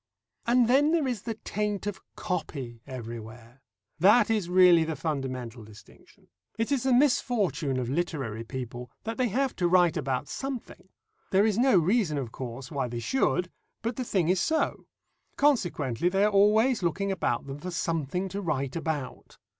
And then there is the taint of "copy" everywhere. That is really the fundamental distinction. It is the misfortune of literary people, that they have to write about something. There is no reason, of course, why they should, but the thing is so. Consequently, they are always looking about them for something to write about.